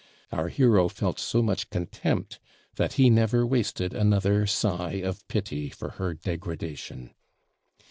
Our hero felt so much contempt, that he never wasted another sigh of pity for her degradation.